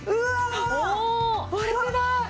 おお割れてない！